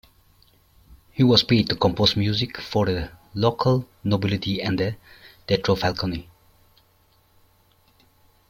He was paid to compose music for the local nobility and the Teatro Falconi.